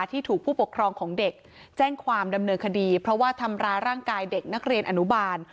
ที่ถูกผู้ปกครองของเด็กแจ้งความดำเนินคดีเพราะว่าทำร้ายร่างกายเด็กนักเรียนอนุบาล